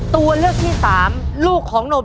ตัวเลือกที่สอง๘คน